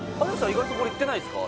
意外とこれいってないですか？